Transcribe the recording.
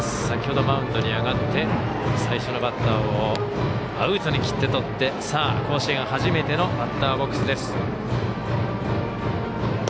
先ほどマウンドに上がって最初のバッターをアウトに切ってとって甲子園初めてのバッターボックス。